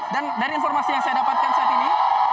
dan dari informasi yang saya dapatkan saat ini